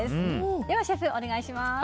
ではシェフ、お願いします。